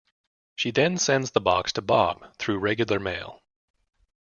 She then sends the box to Bob through regular mail.